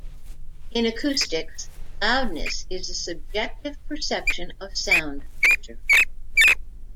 In acoustics, loudness is the subjective perception of sound pressure.